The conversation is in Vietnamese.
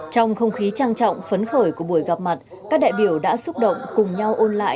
trong không khí trang trọng phấn khởi của buổi gặp mặt các đại biểu đã xúc động cùng nhau ôn lại